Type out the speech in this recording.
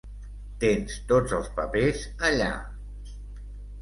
Tens tots els papers allà.